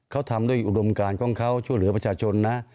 เขาทำด้วยอุดมการของเขาช่วยเหลือประชาชนนะ